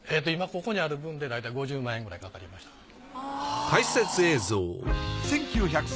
今ここにある分でだいたい５０万円くらいかかりました。